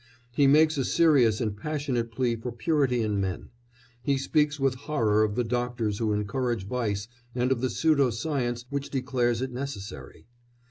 He makes a serious and passionate plea for purity in men; he speaks with horror of the doctors who encourage vice and of the pseudo science which declares it necessary.